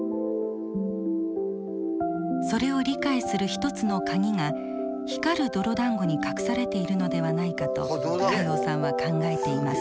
それを理解する一つの鍵が光る泥だんごに隠されているのではないかと加用さんは考えています。